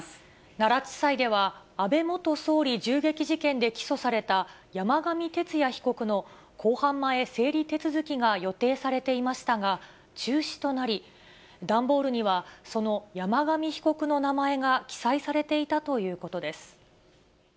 奈良地裁では、安倍元総理銃撃事件で起訴された、山上徹也被告の公判前整理手続きが予定されていましたが、中止となり、段ボールには、その山上被告の名前が記載されていたということです。